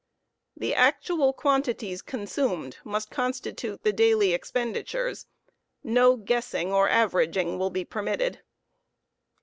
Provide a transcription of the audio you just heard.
The actual* quantities consumed must constitute the daily expenditures; no guessing or averaging will be permitted.